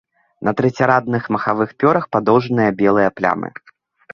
На трэцярадных махавых пёрах падоўжаныя белыя плямы.